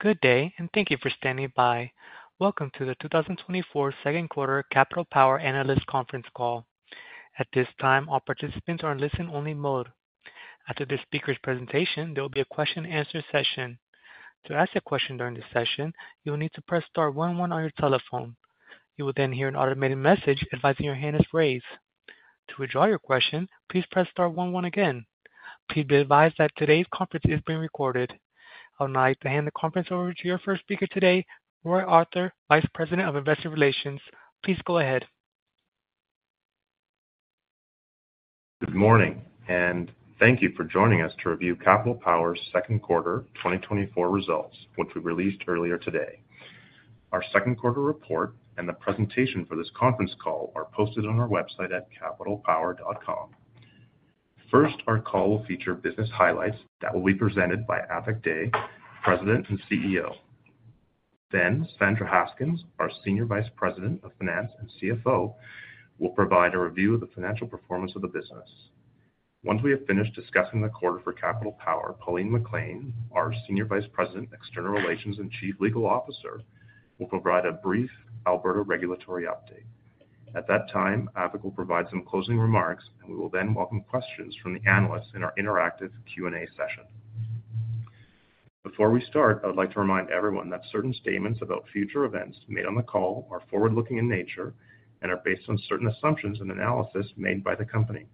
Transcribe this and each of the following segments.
Good day, and thank you for standing by. Welcome to the 2024 Second Quarter Capital Power Analyst Conference Call. At this time, all participants are in listen-only mode. After the speaker's presentation, there will be a question and answer session. To ask a question during this session, you will need to press star one one on your telephone. You will then hear an automated message advising your hand is raised. To withdraw your question, please press star one one again. Please be advised that today's conference is being recorded. I would like to hand the conference over to your first speaker today, Roy Arthur, Vice President of Investor Relations. Please go ahead. Good morning, and thank you for joining us to review Capital Power's second quarter 2024 results, which we released earlier today. Our second quarter report and the presentation for this conference call are posted on our website at capitalpower.com. First, our call will feature business highlights that will be presented by Avik Dey, President and CEO. Then Sandra Haskins, our Senior Vice President of Finance and CFO, will provide a review of the financial performance of the business. Once we have finished discussing the quarter for Capital Power, Pauline McLean, our Senior Vice President, External Relations and Chief Legal Officer, will provide a brief Alberta regulatory update. At that time, Avik will provide some closing remarks, and we will then welcome questions from the analysts in our interactive Q&A session. Before we start, I would like to remind everyone that certain statements about future events made on the call are forward-looking in nature and are based on certain assumptions and analysis made by the company.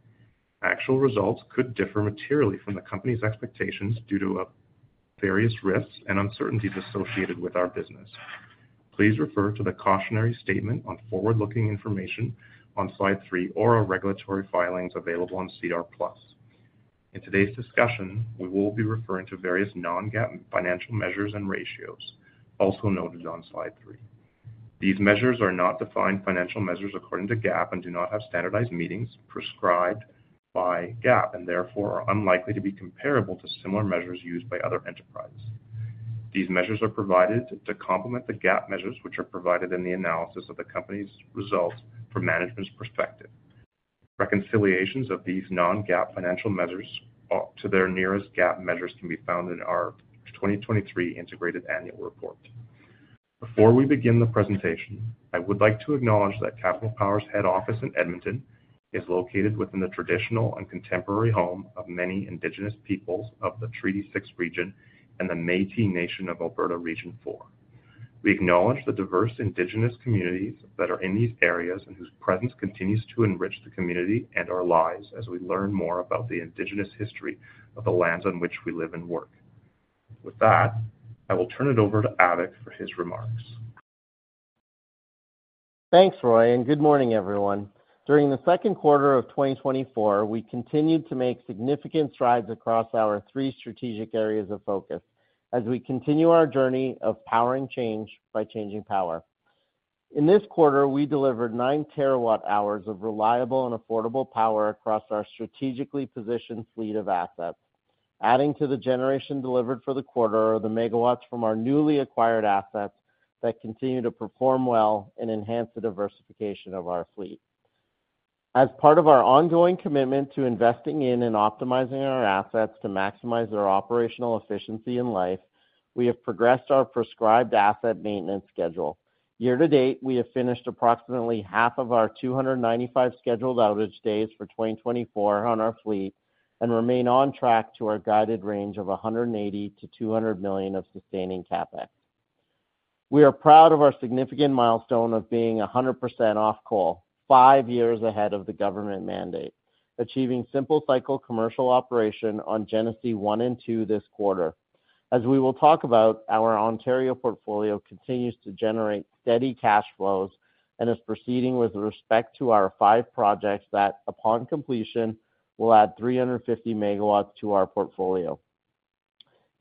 Actual results could differ materially from the company's expectations due to various risks and uncertainties associated with our business. Please refer to the cautionary statement on forward-looking information on slide three or our regulatory filings available on SEDAR+. In today's discussion, we will be referring to various non-GAAP financial measures and ratios, also noted on slide three. These measures are not defined financial measures according to GAAP and do not have standardized meanings prescribed by GAAP and therefore are unlikely to be comparable to similar measures used by other enterprises. These measures are provided to complement the GAAP measures, which are provided in the analysis of the company's results from management's perspective. Reconciliations of these non-GAAP financial measures to their nearest GAAP measures can be found in our 2023 integrated annual report. Before we begin the presentation, I would like to acknowledge that Capital Power's head office in Edmonton is located within the traditional and contemporary home of many Indigenous peoples of the Treaty 6 region and the Métis Nation of Alberta, Region 4. We acknowledge the diverse Indigenous communities that are in these areas and whose presence continues to enrich the community and our lives as we learn more about the Indigenous history of the lands on which we live and work. With that, I will turn it over to Avik for his remarks. Thanks, Roy, and good morning, everyone. During the second quarter of 2024, we continued to make significant strides across our three strategic areas of focus as we continue our journey of powering change by changing power. In this quarter, we delivered 9 terawatt-hours of reliable and affordable power across our strategically positioned fleet of assets. Adding to the generation delivered for the quarter are the megawatts from our newly acquired assets that continue to perform well and enhance the diversification of our fleet. As part of our ongoing commitment to investing in and optimizing our assets to maximize their operational efficiency and life, we have progressed our prescribed asset maintenance schedule. Year to date, we have finished approximately half of our 295 scheduled outage days for 2024 on our fleet and remain on track to our guided range of 180 million-200 million of sustaining CapEx. We are proud of our significant milestone of being 100% off-coal, 5 years ahead of the government mandate, achieving simple cycle commercial operation on Genesee 1 and 2 this quarter. As we will talk about, our Ontario portfolio continues to generate steady cash flows and is proceeding with respect to our 5 projects that, upon completion, will add 350 MW to our portfolio.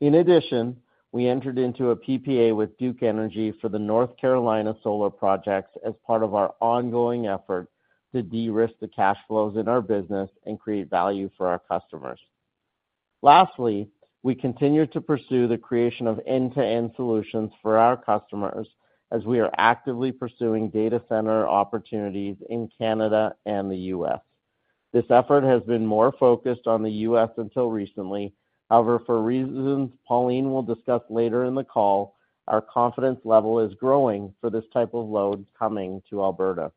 In addition, we entered into a PPA with Duke Energy for the North Carolina Solar projects as part of our ongoing effort to de-risk the cash flows in our business and create value for our customers. Lastly, we continue to pursue the creation of end-to-end solutions for our customers as we are actively pursuing data center opportunities in Canada and the U.S. This effort has been more focused on the U.S. until recently. However, for reasons Pauline will discuss later in the call, our confidence level is growing for this type of load coming to Alberta.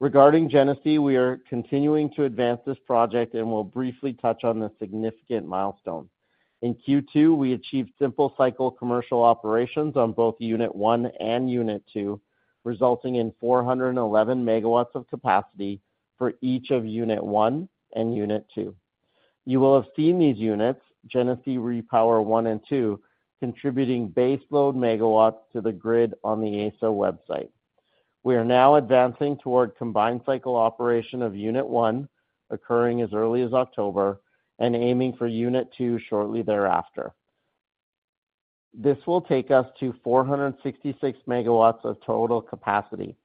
Regarding Genesee, we are continuing to advance this project and will briefly touch on the significant milestone. In Q2, we achieved simple cycle commercial operations on both Unit One and Unit Two, resulting in 411 MW of capacity for each of Unit One and Unit Two. You will have seen these units, Genesee Repower One and Two, contributing baseload megawatts to the grid on the AESO website. We are now advancing toward combined cycle operation of Unit One occurring as early as October, and aiming for Unit Two shortly thereafter. This will take us to 466 MW of total capacity.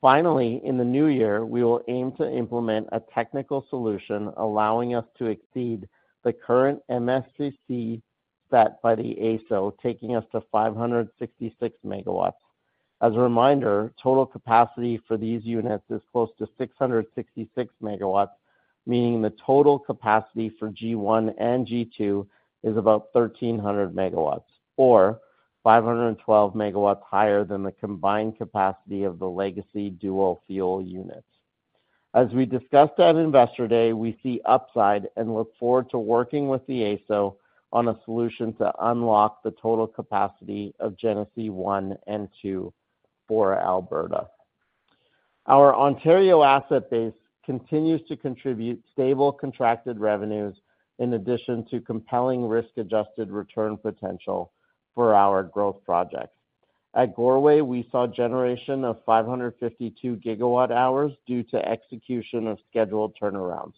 Finally, in the new year, we will aim to implement a technical solution allowing us to exceed the current MSSC set by the AESO, taking us to 566 MW. As a reminder, total capacity for these units is close to 666 MW, meaning the total capacity for G1 and G2 is about 1,300 MW, or 512 MW higher than the combined capacity of the legacy dual-fuel units. As we discussed at Investor Day, we see upside and look forward to working with the AESO on a solution to unlock the total capacity of Genesee 1 and 2 for Alberta. Our Ontario asset base continues to contribute stable contracted revenues in addition to compelling risk-adjusted return potential for our growth projects. At Goreway, we saw generation of 552 GWh due to execution of scheduled turnarounds.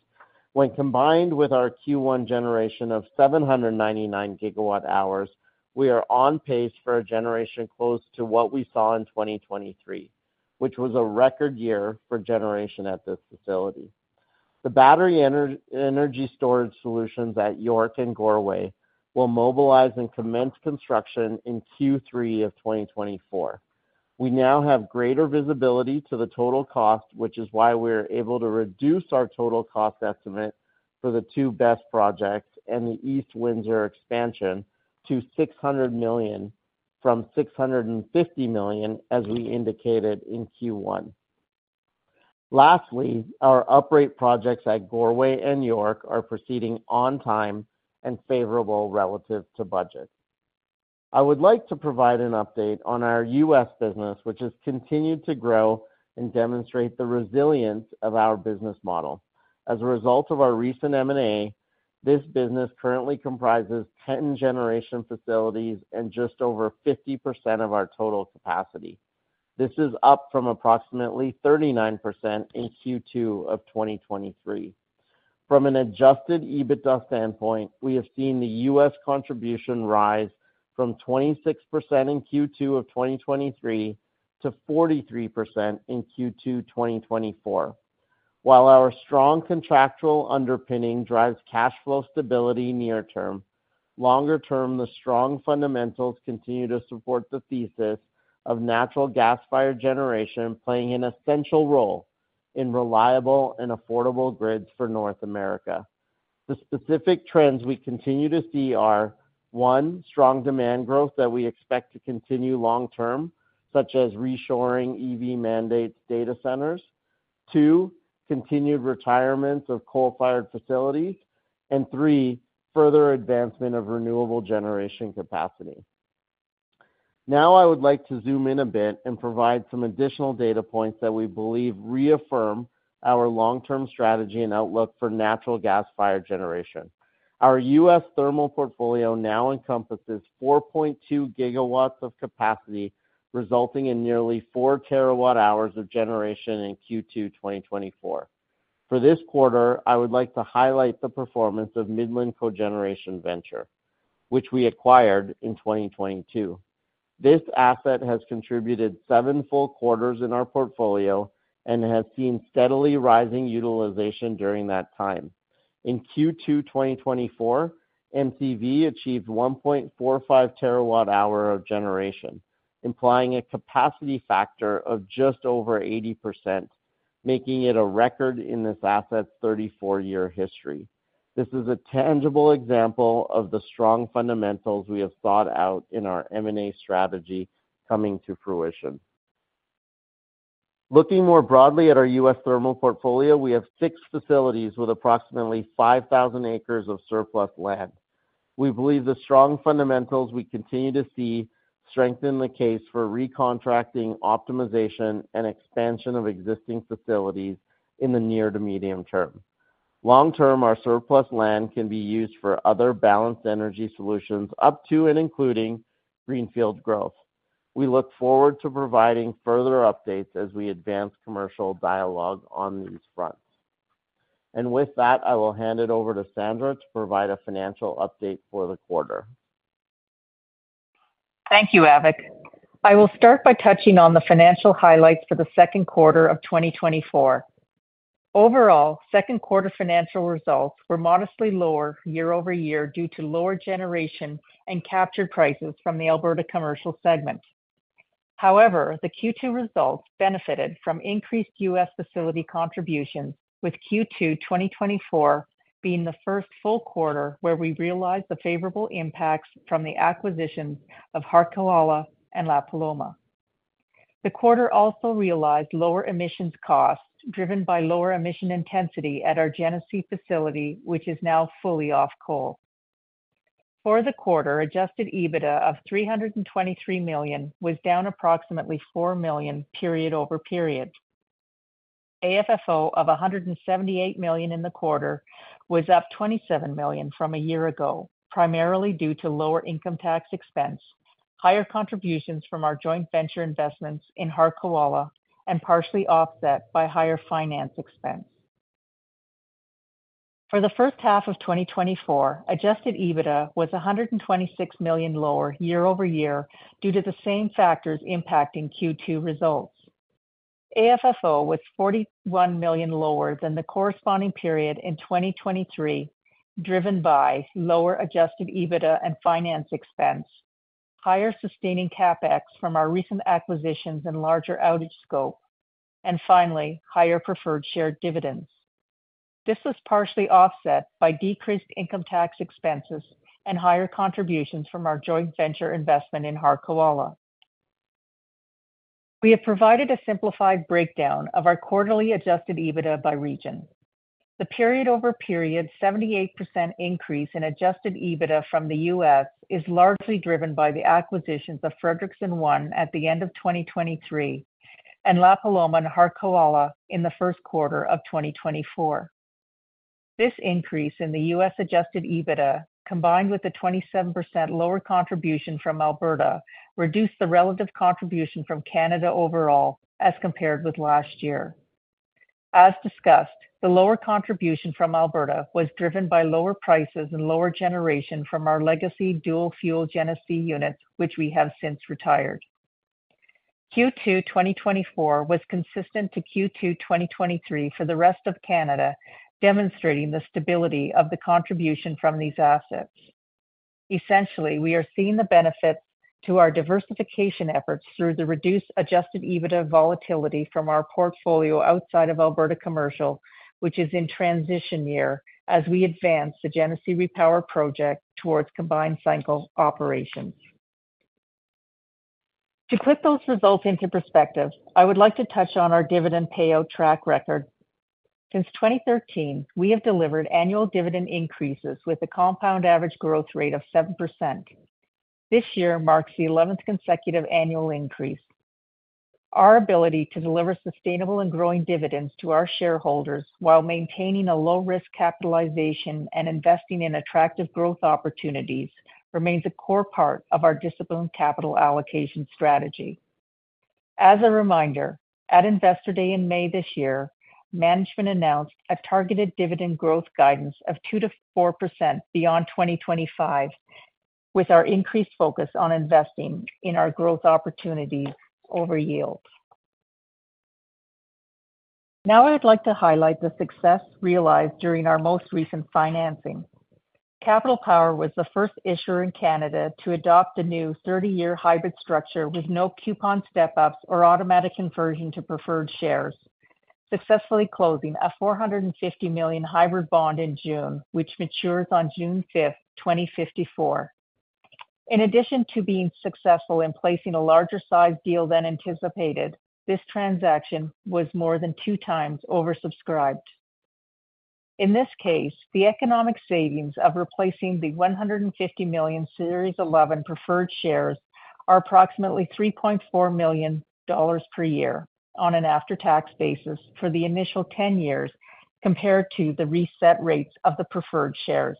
When combined with our Q1 generation of 799 GWh, we are on pace for a generation close to what we saw in 2023, which was a record year for generation at this facility. The battery energy storage solutions at York and Goreway will mobilize and commence construction in Q3 of 2024. We now have greater visibility to the total cost, which is why we are able to reduce our total cost estimate for the two BESS projects and the East Windsor expansion to 600 million from 650 million, as we indicated in Q1. Lastly, our upgrade projects at Goreway and York are proceeding on time and favorable relative to budget. I would like to provide an update on our U.S. business, which has continued to grow and demonstrate the resilience of our business model. As a result of our recent M&A, this business currently comprises 10 generation facilities and just over 50% of our total capacity. This is up from approximately 39% in Q2 of 2023. From an adjusted EBITDA standpoint, we have seen the U.S. contribution rise from 26% in Q2 of 2023 to 43% in Q2, 2024. While our strong contractual underpinning drives cash flow stability near term, longer term, the strong fundamentals continue to support the thesis of natural gas-fired generation, playing an essential role in reliable and affordable grids for North America. The specific trends we continue to see are: 1, strong demand growth that we expect to continue long term, such as reshoring EV mandates data centers. 2, continued retirements of coal-fired facilities. And 3, further advancement of renewable generation capacity. Now, I would like to zoom in a bit and provide some additional data points that we believe reaffirm our long-term strategy and outlook for natural gas-fired generation. Our U.S. thermal portfolio now encompasses 4.2 gigawatts of capacity, resulting in nearly 4 terawatt-hours of generation in Q2 2024. For this quarter, I would like to highlight the performance of Midland Cogeneration Venture, which we acquired in 2022. This asset has contributed 7 full quarters in our portfolio and has seen steadily rising utilization during that time. In Q2 2024, MCV achieved 1.45 terawatt-hours of generation, implying a capacity factor of just over 80%, making it a record in this asset's 34-year history. This is a tangible example of the strong fundamentals we have thought out in our M&A strategy coming to fruition. Looking more broadly at our U.S. thermal portfolio, we have 6 facilities with approximately 5,000 acres of surplus land. We believe the strong fundamentals we continue to see strengthen the case for recontracting, optimization, and expansion of existing facilities in the near to medium term. Long term, our surplus land can be used for other balanced energy solutions, up to and including greenfield growth. We look forward to providing further updates as we advance commercial dialogue on these fronts. And with that, I will hand it over to Sandra to provide a financial update for the quarter. Thank you, Avik. I will start by touching on the financial highlights for the second quarter of 2024. Overall, second quarter financial results were modestly lower year-over-year due to lower generation and captured prices from the Alberta commercial segment. However, the Q2 results benefited from increased U.S. facility contributions, with Q2 2024 being the first full quarter where we realized the favorable impacts from the acquisition of Harquahala and La Paloma. The quarter also realized lower emissions costs, driven by lower emission intensity at our Genesee facility, which is now fully off coal. For the quarter, adjusted EBITDA of 323 million was down approximately 4 million period-over-period. AFFO of 178 million in the quarter was up 27 million from a year ago, primarily due to lower income tax expense, higher contributions from our joint venture investments in Harquahala, and partially offset by higher finance expense. For the first half of 2024, adjusted EBITDA was 126 million lower year-over-year due to the same factors impacting Q2 results. AFFO was 41 million lower than the corresponding period in 2023, driven by lower adjusted EBITDA and finance expense, higher sustaining CapEx from our recent acquisitions and larger outage scope, and finally, higher preferred share dividends. This was partially offset by decreased income tax expenses and higher contributions from our joint venture investment in Harquahala. We have provided a simplified breakdown of our quarterly adjusted EBITDA by region. The period-over-period 78% increase in adjusted EBITDA from the U.S. is largely driven by the acquisitions of Frederickson One at the end of 2023, and La Paloma and Harquahala in the first quarter of 2024. This increase in the U.S. adjusted EBITDA, combined with the 27% lower contribution from Alberta, reduced the relative contribution from Canada overall as compared with last year. As discussed, the lower contribution from Alberta was driven by lower prices and lower generation from our legacy dual-fuel Genesee units, which we have since retired. Q2 2024 was consistent to Q2 2023 for the rest of Canada, demonstrating the stability of the contribution from these assets. Essentially, we are seeing the benefits to our diversification efforts through the reduced adjusted EBITDA volatility from our portfolio outside of Alberta Commercial, which is in transition year as we advance the Genesee Repower project towards combined cycle operations. To put those results into perspective, I would like to touch on our dividend payout track record. Since 2013, we have delivered annual dividend increases with a compound average growth rate of 7%. This year marks the eleventh consecutive annual increase. Our ability to deliver sustainable and growing dividends to our shareholders while maintaining a low-risk capitalization and investing in attractive growth opportunities, remains a core part of our disciplined capital allocation strategy. As a reminder, at Investor Day in May this year, management announced a targeted dividend growth guidance of 2%-4% beyond 2025, with our increased focus on investing in our growth opportunities over yields. Now, I'd like to highlight the success realized during our most recent financing. Capital Power was the first issuer in Canada to adopt the new 30-year hybrid structure, with no coupon step-ups or automatic conversion to preferred shares, successfully closing a 450 million hybrid bond in June, which matures on June 5th, 2054. In addition to being successful in placing a larger size deal than anticipated, this transaction was more than 2 times oversubscribed. In this case, the economic savings of replacing the 150 million Series 11 Preferred Shares are approximately 3.4 million dollars per year on an after-tax basis for the initial 10 years, compared to the reset rates of the preferred shares.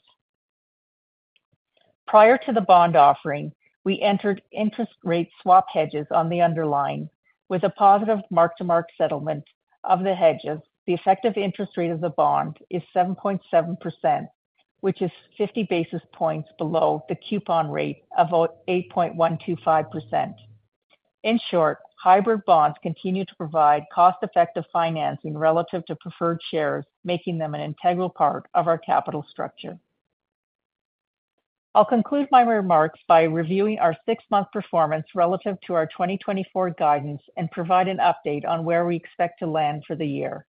Prior to the bond offering, we entered interest rate swap hedges on the underlying. With a positive mark-to-market settlement of the hedges, the effective interest rate of the bond is 7.7%, which is 50 basis points below the coupon rate of 8.125%. In short, hybrid bonds continue to provide cost-effective financing relative to preferred shares, making them an integral part of our capital structure. I'll conclude my remarks by reviewing our six-month performance relative to our 2024 guidance and provide an update on where we expect to land for the year.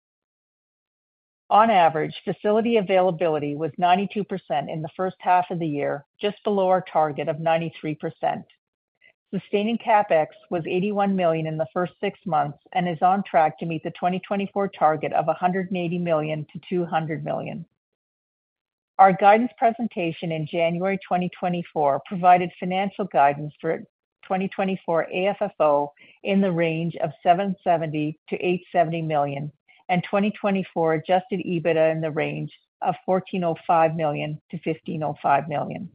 On average, facility availability was 92% in the first half of the year, just below our target of 93%. Sustaining CapEx was 81 million in the first six months and is on track to meet the 2024 target of 180 million-200 million. Our guidance presentation in January 2024 provided financial guidance for 2024 AFFO in the range of 770 million-870 million, and 2024 adjusted EBITDA in the range of 1,405 million-1,505 million.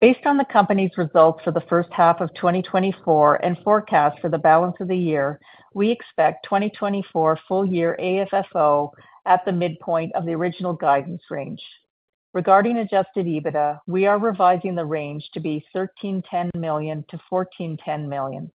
Based on the company's results for the first half of 2024 and forecast for the balance of the year, we expect 2024 full-year AFFO at the midpoint of the original guidance range. Regarding adjusted EBITDA, we are revising the range to be 1,310 million-1,410 million.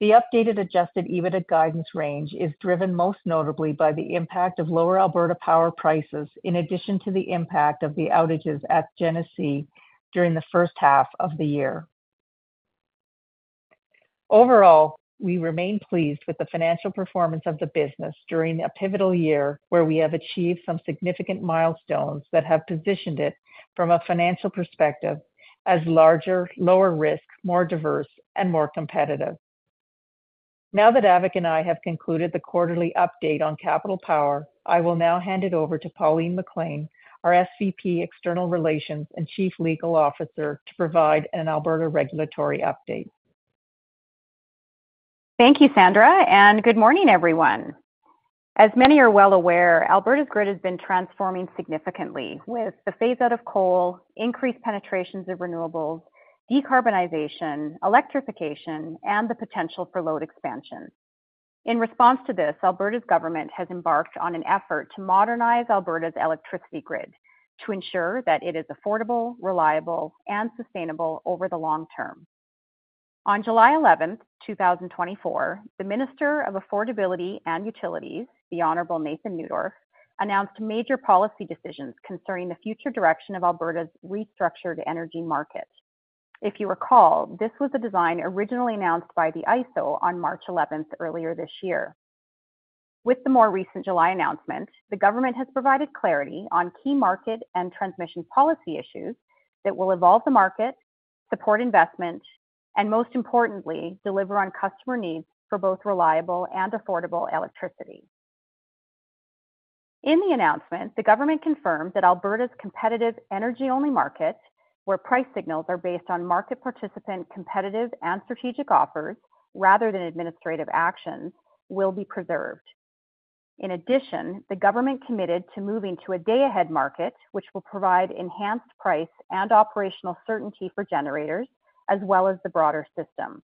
The updated adjusted EBITDA guidance range is driven most notably by the impact of lower Alberta power prices, in addition to the impact of the outages at Genesee during the first half of the year. Overall, we remain pleased with the financial performance of the business during a pivotal year, where we have achieved some significant milestones that have positioned it from a financial perspective as larger, lower risk, more diverse, and more competitive. Now that Avik and I have concluded the quarterly update on Capital Power, I will now hand it over to Pauline McLean, our SVP, External Relations, and Chief Legal Officer, to provide an Alberta regulatory update. Thank you, Sandra, and good morning, everyone. As many are well aware, Alberta's grid has been transforming significantly with the phase-out of coal, increased penetrations of renewables, decarbonization, electrification, and the potential for load expansion. In response to this, Alberta's government has embarked on an effort to modernize Alberta's electricity grid to ensure that it is affordable, reliable, and sustainable over the long term… On July 11th, 2024, the Minister of Affordability and Utilities, the Honorable Nathan Neudorf, announced major policy decisions concerning the future direction of Alberta's restructured energy market. If you recall, this was a design originally announced by the ISO on March 11th earlier this year. With the more recent July announcement, the government has provided clarity on key market and transmission policy issues that will evolve the market, support investment, and most importantly, deliver on customer needs for both reliable and affordable electricity. In the announcement, the government confirmed that Alberta's competitive energy-only market, where price signals are based on market participant competitive and strategic offers rather than administrative actions, will be preserved. In addition, the government committed to moving to a day-ahead market, which will provide enhanced price and operational certainty for generators, as well as the broader system.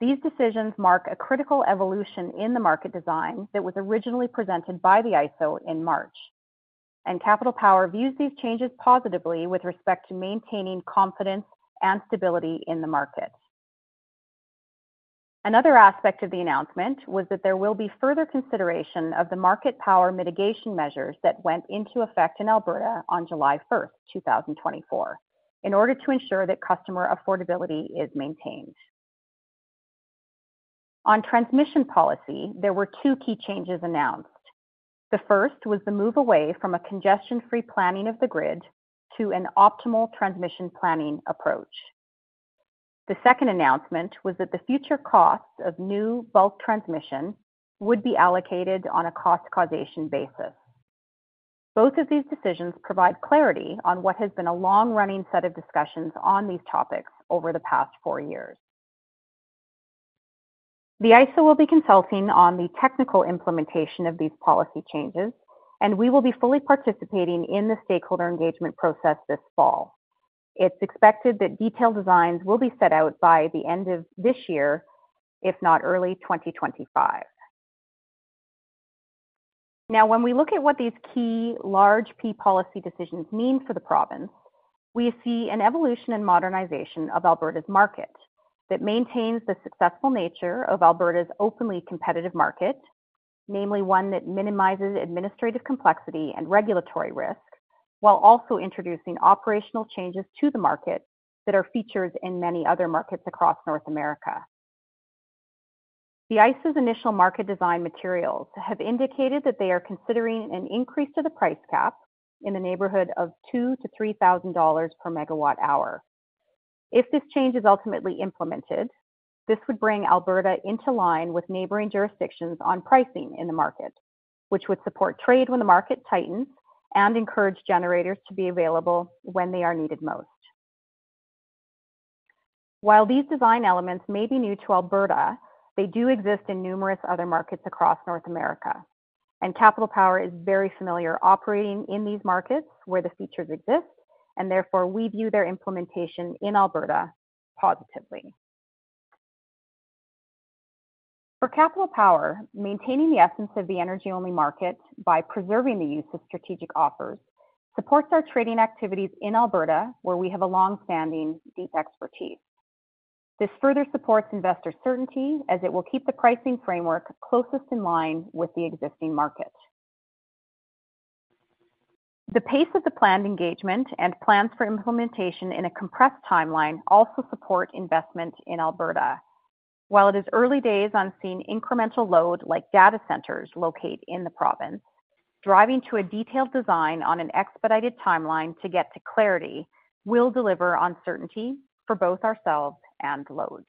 These decisions mark a critical evolution in the market design that was originally presented by the ISO in March, and Capital Power views these changes positively with respect to maintaining confidence and stability in the market. Another aspect of the announcement was that there will be further consideration of the market power mitigation measures that went into effect in Alberta on July 1, 2024, in order to ensure that customer affordability is maintained. On transmission policy, there were two key changes announced. The first was the move away from a congestion-free planning of the grid to an optimal transmission planning approach. The second announcement was that the future costs of new bulk transmission would be allocated on a cost causation basis. Both of these decisions provide clarity on what has been a long-running set of discussions on these topics over the past four years. The ISO will be consulting on the technical implementation of these policy changes, and we will be fully participating in the stakeholder engagement process this fall. It's expected that detailed designs will be set out by the end of this year, if not early 2025. Now, when we look at what these key large P policy decisions mean for the province, we see an evolution and modernization of Alberta's market that maintains the successful nature of Alberta's openly competitive market, namely one that minimizes administrative complexity and regulatory risk, while also introducing operational changes to the market that are featured in many other markets across North America. The ISO's initial market design materials have indicated that they are considering an increase to the price cap in the neighborhood of 2,000-3,000 dollars per megawatt-hour. If this change is ultimately implemented, this would bring Alberta into line with neighboring jurisdictions on pricing in the market, which would support trade when the market tightens and encourage generators to be available when they are needed most. While these design elements may be new to Alberta, they do exist in numerous other markets across North America, and Capital Power is very familiar operating in these markets where the features exist, and therefore we view their implementation in Alberta positively. For Capital Power, maintaining the essence of the energy-only market by preserving the use of strategic offers supports our trading activities in Alberta, where we have a long-standing, deep expertise. This further supports investor certainty, as it will keep the pricing framework closest in line with the existing market. The pace of the planned engagement and plans for implementation in a compressed timeline also support investment in Alberta. While it is early days on seeing incremental load, like data centers, locate in the province, driving to a detailed design on an expedited timeline to get to clarity will deliver on certainty for both ourselves and load.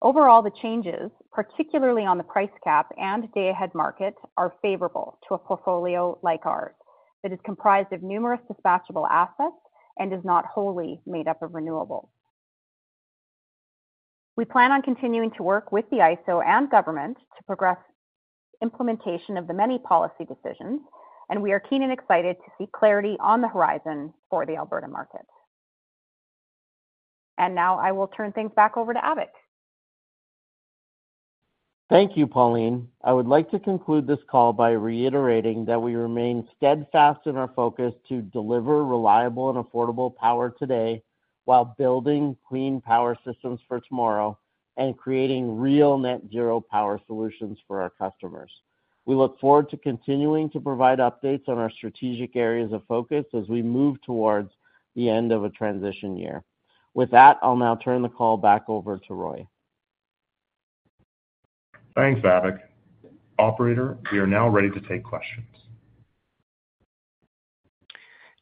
Overall, the changes, particularly on the price cap and day-ahead market, are favorable to a portfolio like ours that is comprised of numerous dispatchable assets and is not wholly made up of renewables. We plan on continuing to work with the ISO and government to progress implementation of the many policy decisions, and we are keen and excited to see clarity on the horizon for the Alberta market. Now I will turn things back over to Avik. Thank you, Pauline. I would like to conclude this call by reiterating that we remain steadfast in our focus to deliver reliable and affordable power today, while building clean power systems for tomorrow and creating real net zero power solutions for our customers. We look forward to continuing to provide updates on our strategic areas of focus as we move towards the end of a transition year. With that, I'll now turn the call back over to Roy. Thanks, Avik. Operator, we are now ready to take questions.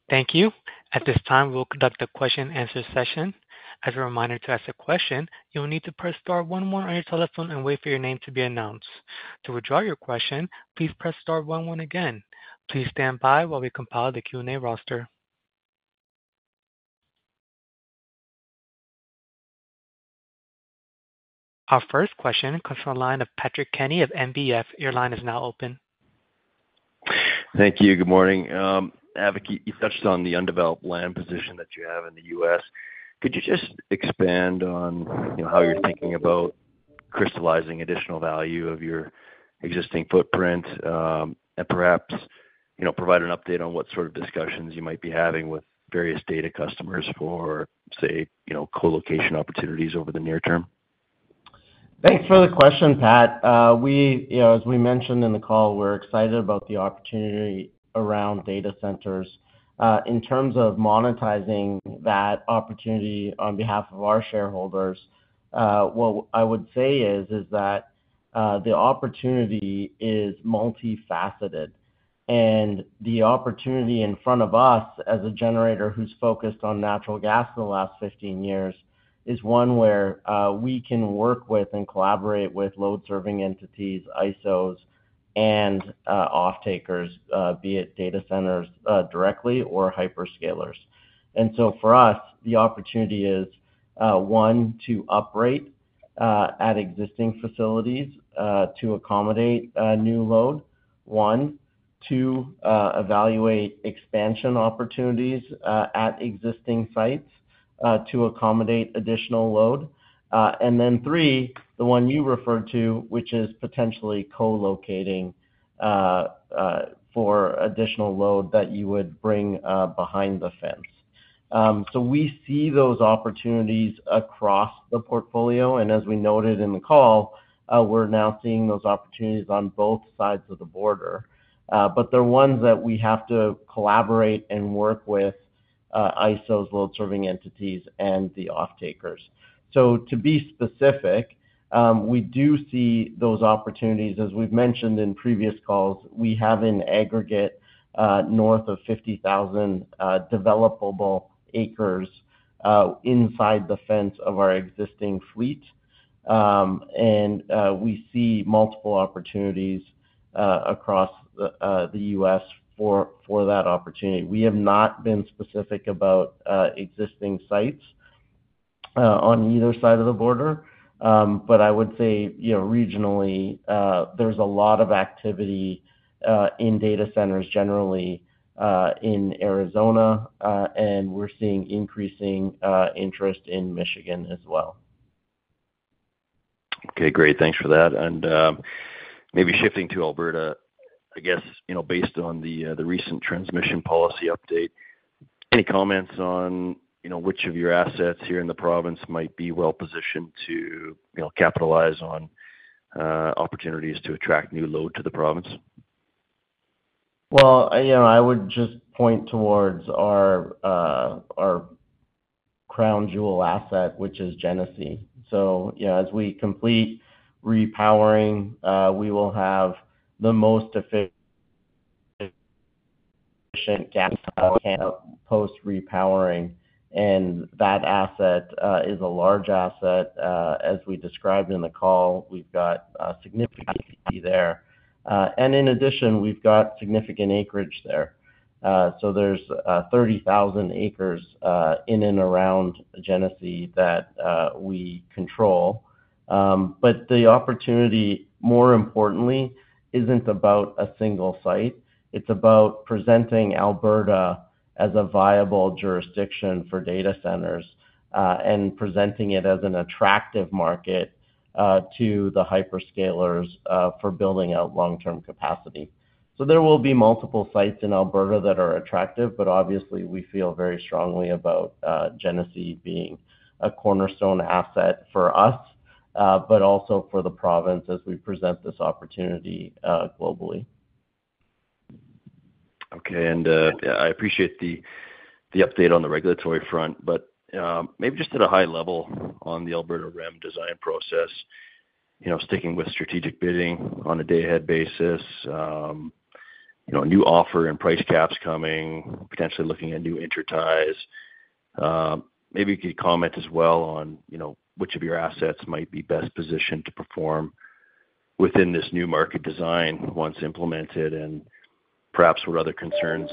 Thank you. At this time, we'll conduct a question-and-answer session. As a reminder, to ask a question, you'll need to press star one one on your telephone and wait for your name to be announced. To withdraw your question, please press star one one again. Please stand by while we compile the Q&A roster. Our first question comes from the line of Patrick Kenny of NBF. Your line is now open. Thank you. Good morning. Avik, you touched on the undeveloped land position that you have in the U.S. Could you just expand on, you know, how you're thinking about-... crystallizing additional value of your existing footprint, and perhaps, you know, provide an update on what sort of discussions you might be having with various data customers for, say, you know, co-location opportunities over the near term? Thanks for the question, Pat. We—you know, as we mentioned in the call, we're excited about the opportunity around data centers. In terms of monetizing that opportunity on behalf of our shareholders, what I would say is that the opportunity is multifaceted, and the opportunity in front of us, as a generator who's focused on natural gas for the last 15 years, is one where we can work with and collaborate with load-serving entities, ISOs, and offtakers, be it data centers directly or hyperscalers. And so for us, the opportunity is 1, to operate at existing facilities to accommodate a new load, 1. 2, evaluate expansion opportunities at existing sites to accommodate additional load. And then three, the one you referred to, which is potentially co-locating for additional load that you would bring behind the fence. So we see those opportunities across the portfolio, and as we noted in the call, we're now seeing those opportunities on both sides of the border. But they're ones that we have to collaborate and work with, ISOs, load-serving entities, and the offtakers. So to be specific, we do see those opportunities. As we've mentioned in previous calls, we have in aggregate north of 50,000 developable acres inside the fence of our existing fleet. And we see multiple opportunities across the U.S. for that opportunity. We have not been specific about existing sites on either side of the border. But I would say, you know, regionally, there's a lot of activity in data centers generally in Arizona, and we're seeing increasing interest in Michigan as well. Okay, great. Thanks for that. And maybe shifting to Alberta, I guess, you know, based on the recent transmission policy update, any comments on, you know, which of your assets here in the province might be well positioned to, you know, capitalize on opportunities to attract new load to the province? Well, you know, I would just point towards our, our crown jewel asset, which is Genesee. So, you know, as we complete repowering, we will have the most efficient gas post-repowering, and that asset, is a large asset. As we described in the call, we've got a significant there. And in addition, we've got significant acreage there. So there's, 30,000 acres, in and around Genesee that, we control. But the opportunity, more importantly, isn't about a single site. It's about presenting Alberta as a viable jurisdiction for data centers, and presenting it as an attractive market, to the hyperscalers, for building out long-term capacity. So there will be multiple sites in Alberta that are attractive, but obviously, we feel very strongly about Genesee being a cornerstone asset for us, but also for the province as we present this opportunity globally. Okay. And yeah, I appreciate the update on the regulatory front, but maybe just at a high level on the Alberta REM design process, you know, sticking with strategic bidding on a day-ahead basis, you know, a new offer and price caps coming, potentially looking at new interties. Maybe you could comment as well on, you know, which of your assets might be best positioned to perform within this new market design once implemented, and perhaps what other concerns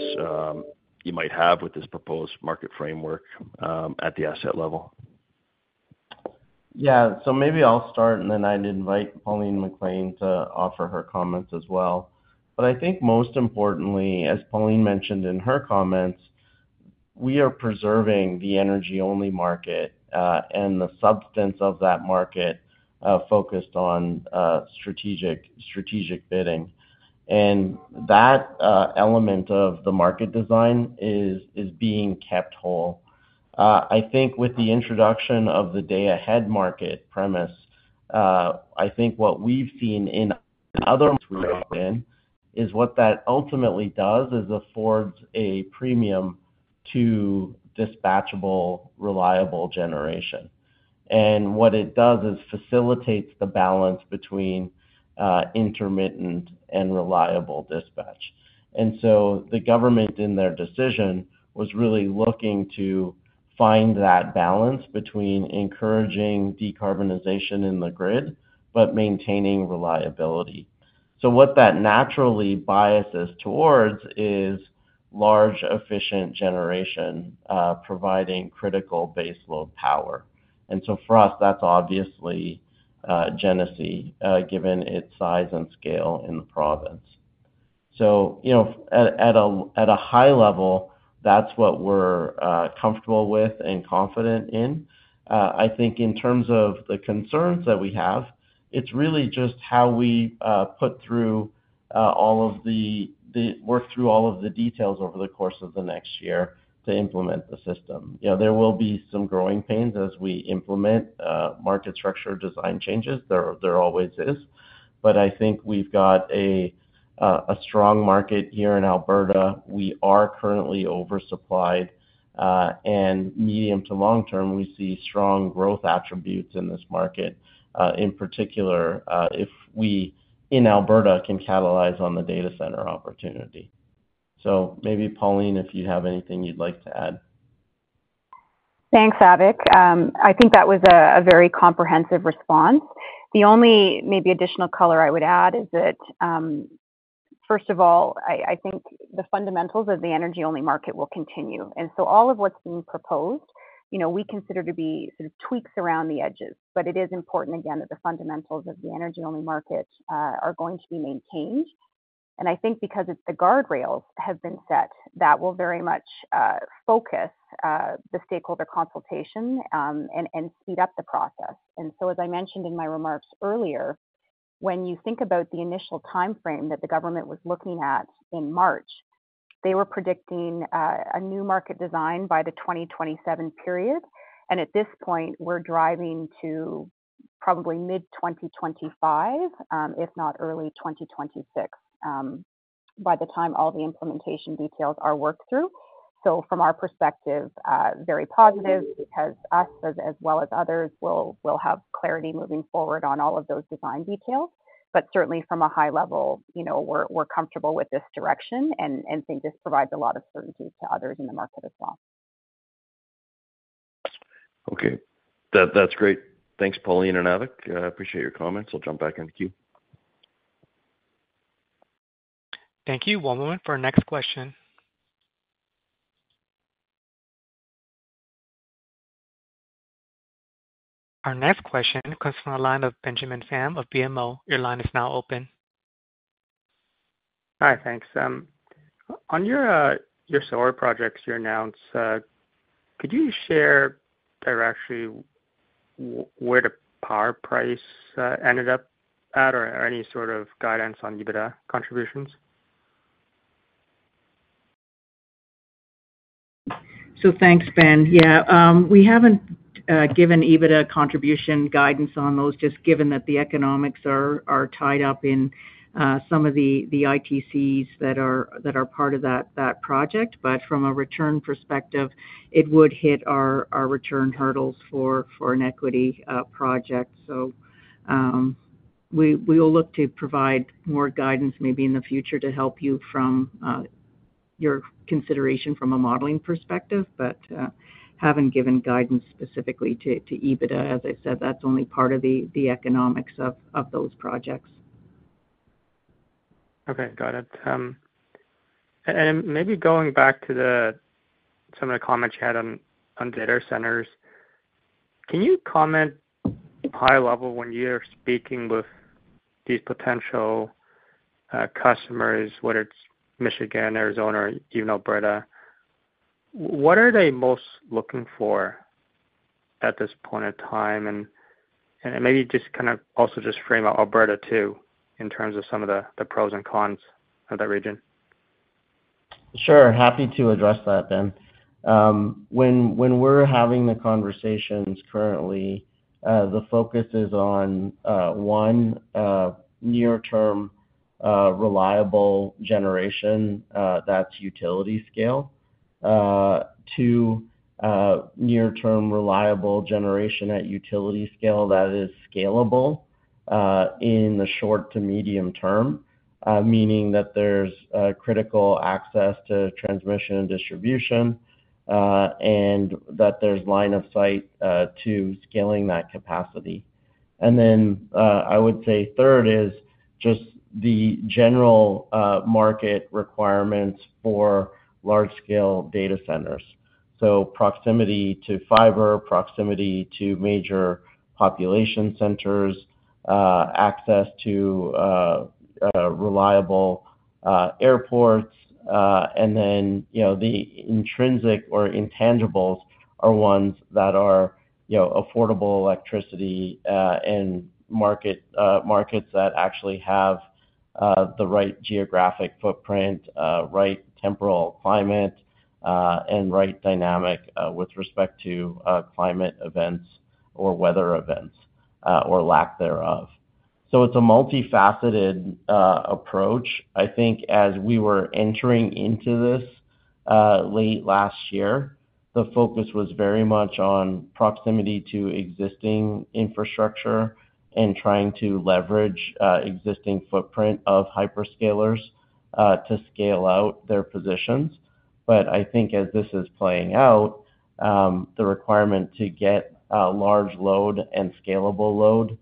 you might have with this proposed market framework at the asset level. Yeah. So maybe I'll start, and then I'd invite Pauline McLean to offer her comments as well. But I think most importantly, as Pauline mentioned in her comments, we are preserving the energy-only market, and the substance of that market, focused on strategic, strategic bidding. And that element of the market design is being kept whole. I think with the introduction of the day-ahead market premise, I think what we've seen in other markets we're in, is what that ultimately does is affords a premium to dispatchable, reliable generation. And what it does is facilitates the balance between intermittent and reliable dispatch. And so the government, in their decision, was really looking to find that balance between encouraging decarbonization in the grid, but maintaining reliability. So what that naturally biases towards is large, efficient generation, providing critical baseload power. And so for us, that's obviously Genesee, given its size and scale in the province. So, you know, at a high level, that's what we're comfortable with and confident in. I think in terms of the concerns that we have, it's really just how we put through all of the work through all of the details over the course of the next year to implement the system. You know, there will be some growing pains as we implement market structure design changes. There always is. But I think we've got a strong market here in Alberta. We are currently oversupplied, and medium to long term, we see strong growth attributes in this market, in particular, if we, in Alberta, can capitalize on the data center opportunity. Maybe, Pauline, if you have anything you'd like to add. Thanks, Avik. I think that was a very comprehensive response. The only maybe additional color I would add is that, first of all, I think the fundamentals of the energy-only market will continue. And so all of what's being proposed, you know, we consider to be sort of tweaks around the edges. But it is important, again, that the fundamentals of the energy-only market are going to be maintained. And I think because it's the guardrails have been set that will very much focus the stakeholder consultation and speed up the process. And so as I mentioned in my remarks earlier, when you think about the initial timeframe that the government was looking at in March, they were predicting a new market design by the 2027 period. And at this point, we're driving to probably mid-2025, if not early 2026, by the time all the implementation details are worked through. So from our perspective, very positive because us, as, as well as others, will, will have clarity moving forward on all of those design details. But certainly from a high level, you know, we're, we're comfortable with this direction and, and think this provides a lot of certainty to others in the market as well. Okay. That's great. Thanks, Pauline and Avik. Appreciate your comments. I'll jump back in the queue. Thank you. One moment for our next question. Our next question comes from the line of Benjamin Pham of BMO. Your line is now open. Hi, thanks. On your solar projects you announced, could you share directly where the power price ended up at, or any sort of guidance on EBITDA contributions? So thanks, Ben. Yeah, we haven't given EBITDA contribution guidance on those, just given that the economics are tied up in some of the ITCs that are part of that project. But from a return perspective, it would hit our return hurdles for an equity project. So, we will look to provide more guidance maybe in the future to help you from your consideration from a modeling perspective, but haven't given guidance specifically to EBITDA. As I said, that's only part of the economics of those projects. Okay, got it. And maybe going back to some of the comments you had on data centers, can you comment high level when you're speaking with these potential customers, whether it's Michigan, Arizona, or even Alberta, what are they most looking for at this point in time? And maybe just kind of also frame out Alberta, too, in terms of some of the pros and cons of that region. Sure. Happy to address that, Ben. When we're having the conversations currently, the focus is on one, near-term reliable generation that's utility scale. Two, near-term reliable generation at utility scale that is scalable in the short to medium term, meaning that there's critical access to transmission and distribution, and that there's line of sight to scaling that capacity. And then I would say third is just the general market requirements for large-scale data centers. So proximity to fiber, proximity to major population centers, access to reliable airports, and then, you know, the intrinsic or intangibles are ones that are, you know, affordable electricity, and market markets that actually have the right geographic footprint, right temporal climate, and right dynamic with respect to climate events or weather events, or lack thereof. So it's a multifaceted approach. I think as we were entering into this, late last year, the focus was very much on proximity to existing infrastructure and trying to leverage existing footprint of hyperscalers to scale out their positions. But I think as this is playing out, the requirement to get large load and scalable load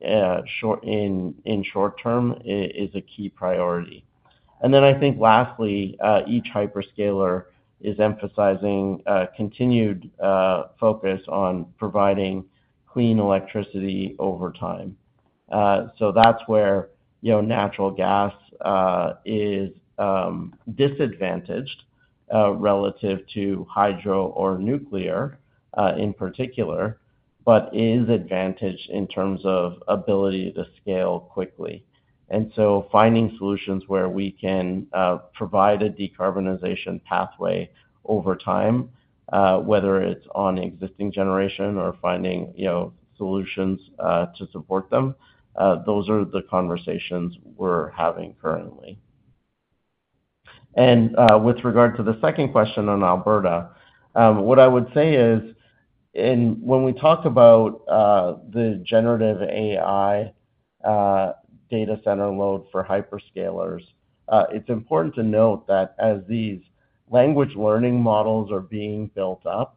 in short term is a key priority.... And then I think lastly, each hyperscaler is emphasizing continued focus on providing clean electricity over time. So that's where, you know, natural gas is disadvantaged relative to hydro or nuclear in particular, but is advantaged in terms of ability to scale quickly. And so finding solutions where we can provide a decarbonization pathway over time, whether it's on existing generation or finding, you know, solutions to support them, those are the conversations we're having currently. And with regard to the second question on Alberta, what I would say is, when we talk about the generative AI data center load for hyperscalers, it's important to note that as these language learning models are being built up,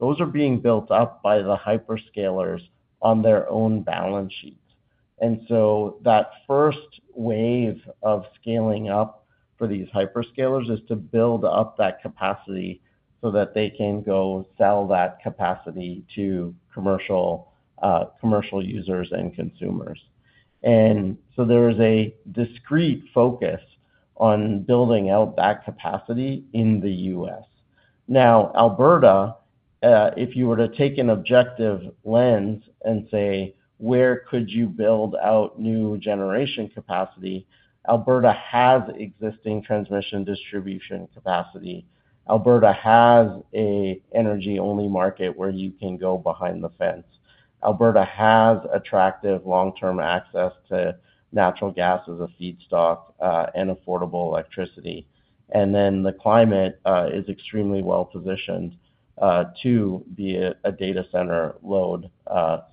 those are being built up by the hyperscalers on their own balance sheets. So that first wave of scaling up for these hyperscalers is to build up that capacity so that they can go sell that capacity to commercial, commercial users and consumers. So there is a discrete focus on building out that capacity in the U.S. Now, Alberta, if you were to take an objective lens and say, "Where could you build out new generation capacity?" Alberta has existing transmission distribution capacity. Alberta has an energy-only market where you can go behind the fence. Alberta has attractive long-term access to natural gas as a feedstock, and affordable electricity. Then the climate is extremely well positioned to be a data center load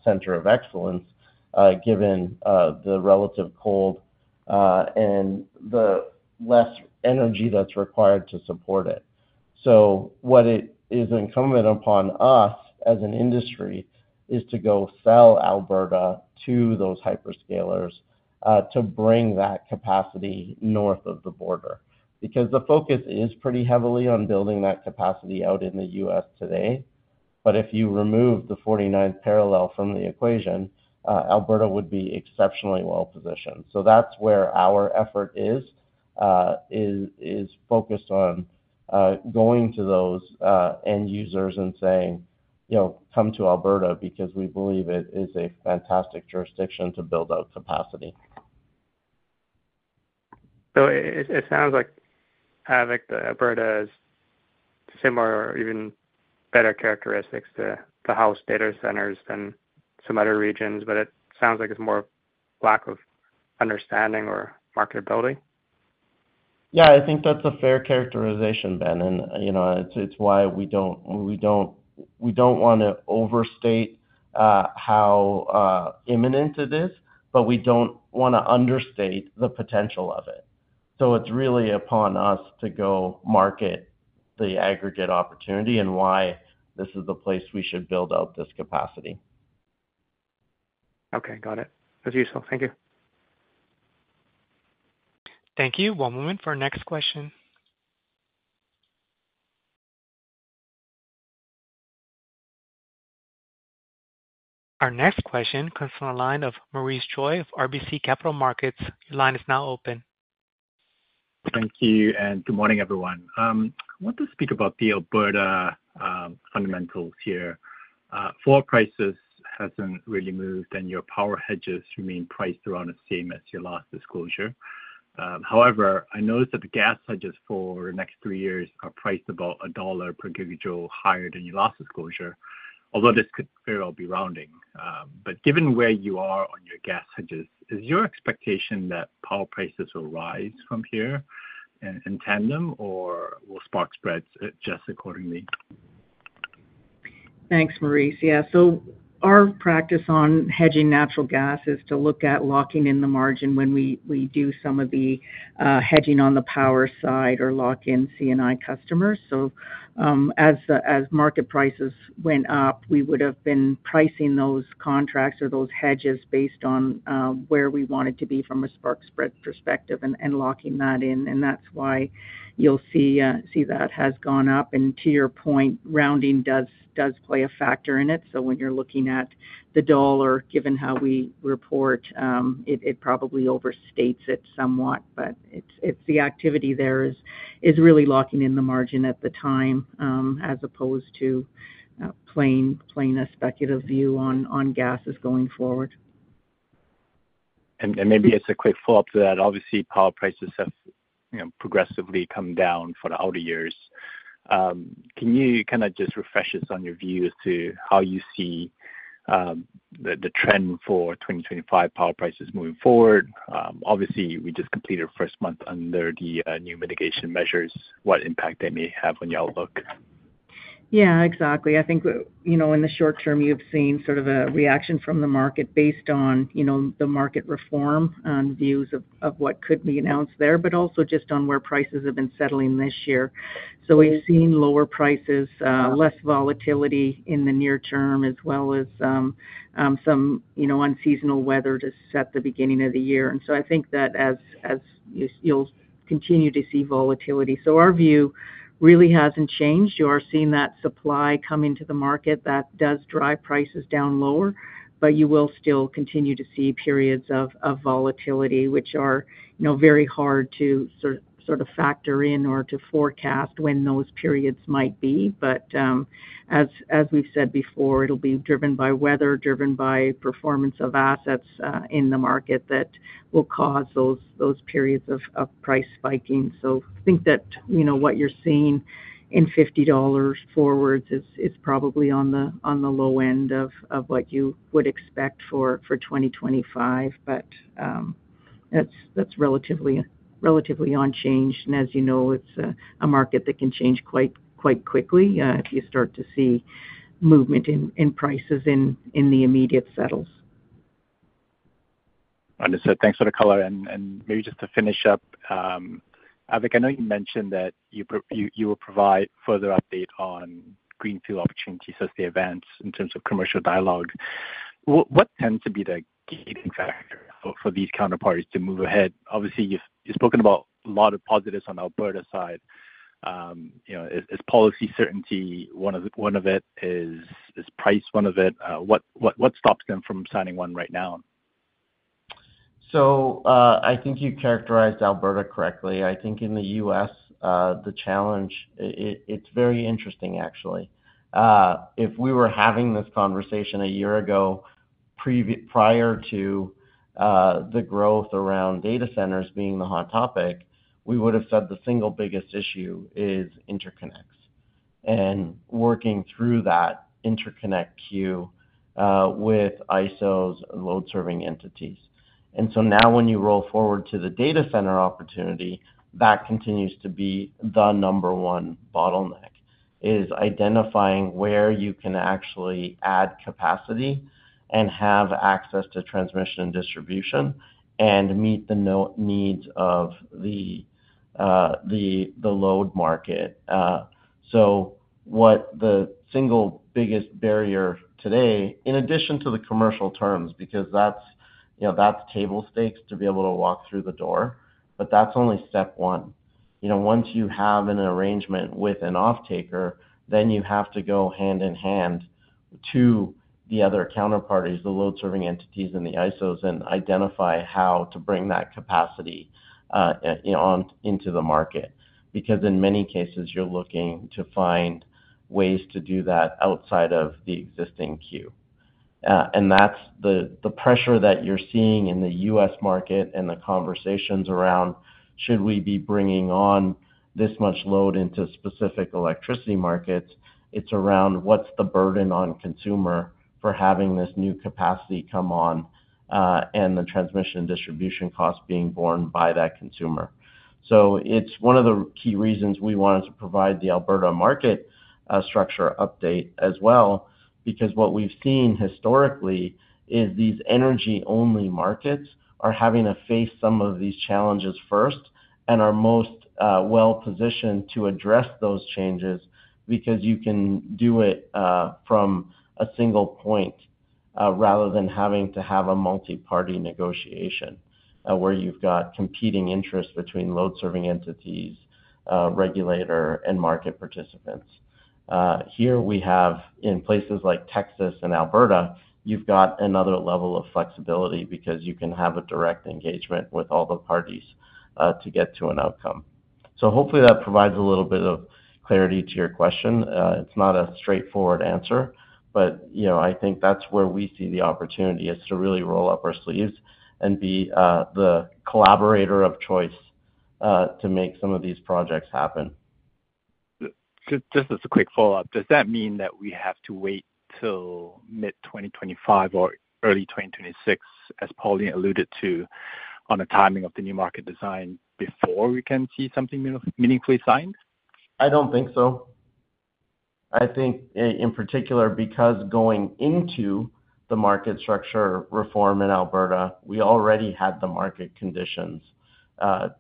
center of excellence, given the relative cold and the less energy that's required to support it. So what it is incumbent upon us, as an industry, is to go sell Alberta to those hyperscalers to bring that capacity north of the border. Because the focus is pretty heavily on building that capacity out in the U.S. today, but if you remove the 49th parallel from the equation, Alberta would be exceptionally well positioned. So that's where our effort is, is focused on going to those end users and saying, "You know, come to Alberta," because we believe it is a fantastic jurisdiction to build out capacity. So it sounds like, Avik, that Alberta has similar or even better characteristics to house data centers than some other regions, but it sounds like it's more lack of understanding or marketability? Yeah, I think that's a fair characterization, Ben, and, you know, it's why we don't wanna overstate how imminent it is, but we don't wanna understate the potential of it. So it's really upon us to go market the aggregate opportunity and why this is the place we should build out this capacity. Okay, got it. That's useful. Thank you. Thank you. One moment for our next question. Our next question comes from the line of Maurice Choy of RBC Capital Markets. Your line is now open. Thank you, and good morning, everyone. I want to speak about the Alberta fundamentals here. Floor prices hasn't really moved, and your power hedges remain priced around the same as your last disclosure. However, I noticed that the gas hedges for the next three years are priced about CAD 1 per gigajoule higher than your last disclosure, although this could very well be rounding. But given where you are on your gas hedges, is your expectation that power prices will rise from here in, in tandem, or will spark spreads adjust accordingly? Thanks, Maurice. Yeah, so our practice on hedging natural gas is to look at locking in the margin when we, we do some of the, hedging on the power side or lock in C&I customers. So, as, as market prices went up, we would have been pricing those contracts or those hedges based on, where we wanted to be from a spark spread perspective and, and locking that in, and that's why you'll see, see that has gone up. And to your point, rounding does, does play a factor in it. So when you're looking at the dollar, given how we report, it, it probably overstates it somewhat, but it's, it's the activity there is, is really locking in the margin at the time, as opposed to, playing, playing a speculative view on, on gases going forward. Maybe as a quick follow-up to that, obviously, power prices have, you know, progressively come down for the outer years. Can you kinda just refresh us on your view as to how you see the trend for 2025 power prices moving forward? Obviously, we just completed our first month under the new mitigation measures, what impact they may have on your outlook. Yeah, exactly. I think, you know, in the short term, you've seen sort of a reaction from the market based on, you know, the market reform, views of what could be announced there, but also just on where prices have been settling this year. So we've seen lower prices, less volatility in the near term, as well as, some, you know, unseasonal weather to set the beginning of the year. And so I think that as you, you'll continue to see volatility. So our view really hasn't changed. You are seeing that supply come into the market. That does drive prices down lower, but you will still continue to see periods of volatility, which are, you know, very hard to sort of factor in or to forecast when those periods might be. But, as we've said before, it'll be driven by weather, driven by performance of assets, in the market that will cause those periods of price spiking. So I think that, you know, what you're seeing in 50 dollars forwards is probably on the low end of what you would expect for 2025. But, that's relatively unchanged. And as you know, it's a market that can change quite quickly, if you start to see movement in prices in the immediate settles. Understood. Thanks for the color. Maybe just to finish up, Avik, I know you mentioned that you will provide further update on greenfield opportunities as they advance in terms of commercial dialogue. What tends to be the gating factor for these counterparties to move ahead? Obviously, you've spoken about a lot of positives on the Alberta side. You know, is policy certainty one of it? Is price one of it? What stops them from signing one right now? So, I think you characterized Alberta correctly. I think in the U.S., the challenge, it's very interesting, actually. If we were having this conversation a year ago, prior to the growth around data centers being the hot topic, we would have said the single biggest issue is interconnects and working through that interconnect queue with ISOs load-serving entities. So now when you roll forward to the data center opportunity, that continues to be the number one bottleneck, is identifying where you can actually add capacity and have access to transmission and distribution, and meet the needs of the load market. So what the single biggest barrier today, in addition to the commercial terms, because that's, you know, that's table stakes to be able to walk through the door, but that's only step one. You know, once you have an arrangement with an offtaker, then you have to go hand-in-hand to the other counterparties, the load-serving entities and the ISOs, and identify how to bring that capacity, you know, on into the market. Because in many cases, you're looking to find ways to do that outside of the existing queue. And that's the pressure that you're seeing in the U.S. market and the conversations around, Should we be bringing on this much load into specific electricity markets? It's around, what's the burden on consumer for having this new capacity come on, and the transmission and distribution costs being borne by that consumer. So it's one of the key reasons we wanted to provide the Alberta market structure update as well, because what we've seen historically is these energy-only markets are having to face some of these challenges first and are most well-positioned to address those changes. Because you can do it from a single point rather than having to have a multiparty negotiation where you've got competing interests between load-serving entities, regulator, and market participants. Here we have, in places like Texas and Alberta, you've got another level of flexibility because you can have a direct engagement with all the parties to get to an outcome. So hopefully that provides a little bit of clarity to your question. It's not a straightforward answer, but, you know, I think that's where we see the opportunity, is to really roll up our sleeves and be, the collaborator of choice, to make some of these projects happen. Just as a quick follow-up, does that mean that we have to wait till mid-2025 or early 2026, as Pauline alluded to, on the timing of the new market design before we can see something meaningfully signed? I don't think so. I think in particular, because going into the market structure reform in Alberta, we already had the market conditions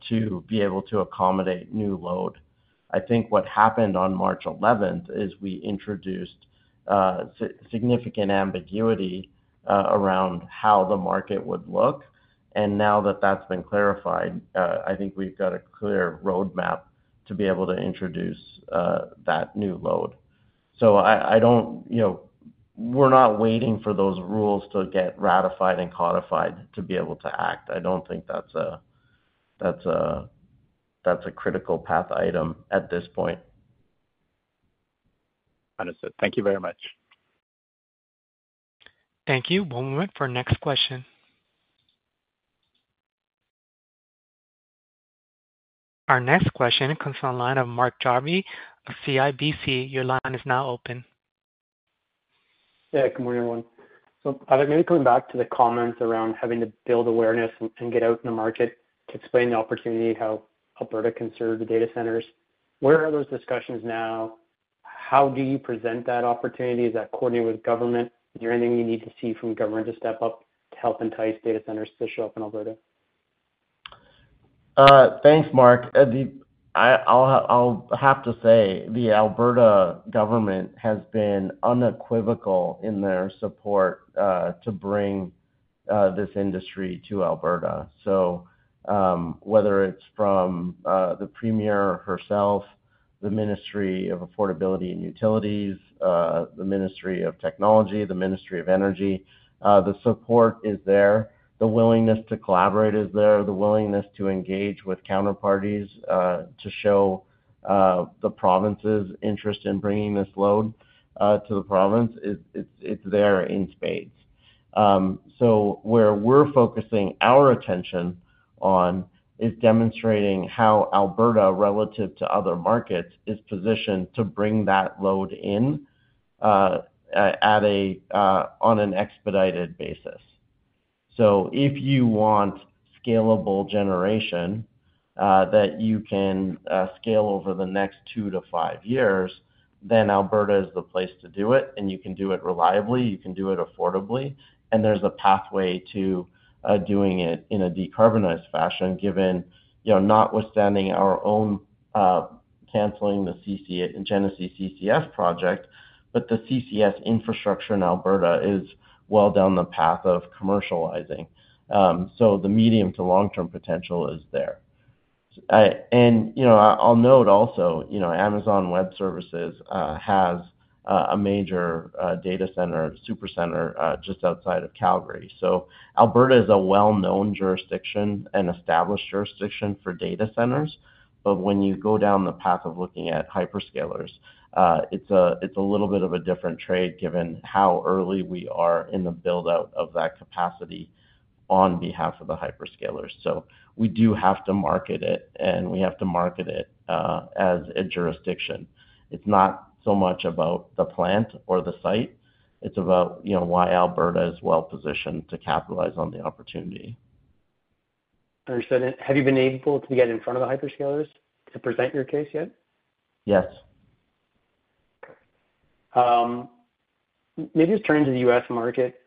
to be able to accommodate new load. I think what happened on March eleventh is we introduced significant ambiguity around how the market would look. And now that that's been clarified, I think we've got a clear roadmap to be able to introduce that new load. So I don't... You know, we're not waiting for those rules to get ratified and codified to be able to act. I don't think that's a critical path item at this point. Understood. Thank you very much. Thank you. One moment for next question. Our next question comes from the line of Mark Jarvi of CIBC. Your line is now open. Yeah. Good morning, everyone. So maybe coming back to the comments around having to build awareness and get out in the market to explain the opportunity, how Alberta can serve the data centers, where are those discussions now? How do you present that opportunity? Is that coordinated with government? Is there anything you need to see from government to step up to help entice data centers to show up in Alberta? Thanks, Mark. I have to say, the Alberta government has been unequivocal in their support to bring this industry to Alberta. So, whether it's from the premier herself, the Ministry of Affordability and Utilities, the Ministry of Technology, the Ministry of Energy, the support is there. The willingness to collaborate is there. The willingness to engage with counterparties to show the province's interest in bringing this load to the province, it's there in spades. So where we're focusing our attention on is demonstrating how Alberta, relative to other markets, is positioned to bring that load in on an expedited basis. So if you want scalable generation, that you can, scale over the next 2-5 years, then Alberta is the place to do it, and you can do it reliably, you can do it affordably, and there's a pathway to, doing it in a decarbonized fashion, given, you know, notwithstanding our own, canceling the CC- Genesee CCS project, but the CCS infrastructure in Alberta is well down the path of commercializing. So the medium to long-term potential is there. And, you know, I'll note also, you know, Amazon Web Services, has, a major, data center, super center, just outside of Calgary. So Alberta is a well-known jurisdiction and established jurisdiction for data centers. But when you go down the path of looking at hyperscalers, it's a, it's a little bit of a different trade, given how early we are in the build-out of that capacity on behalf of the hyperscalers. So we do have to market it, and we have to market it, as a jurisdiction. It's not so much about the plant or the site. It's about, you know, why Alberta is well positioned to capitalize on the opportunity. Understood. Have you been able to get in front of the hyperscalers to present your case yet? Yes. Maybe just turning to the U.S. market,